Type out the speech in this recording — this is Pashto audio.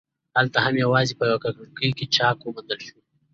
هلته هم یوازې په یوه ککرۍ کې چاک وموندل شو.